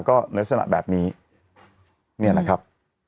ก็ลักษณะแบบนี้เนี่ยนะครับ